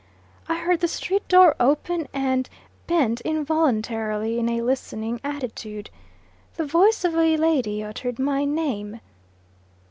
I heard the street door open, and bent, involuntarily, in a listening attitude. The voice of a lady uttered my name.